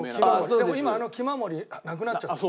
でも今あの氣守なくなっちゃったの。